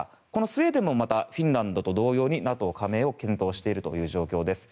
スウェーデンもフィンランドと同様にＮＡＴＯ加盟を検討している状況です。